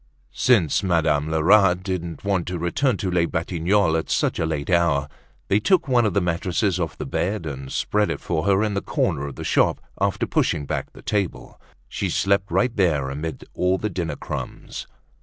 Since Madame Lerat didn't want to return to Les Batignolles at such a late hour, they took one of the mattresses off the bed and spread it for her in a corner of the shop, after pushing back the table. She slept right there amid all the dinner crumbs.